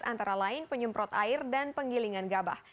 antara lain penyemprot air dan penggilingan gabah